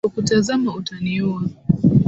Ninapokutazama utaniinua.